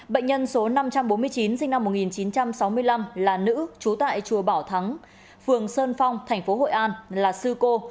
bệnh nhân số năm trăm bốn mươi chín sinh năm một nghìn chín trăm sáu mươi năm là nữ trú tại chùa bảo thắng phường sơn phong tp hội an là sư cô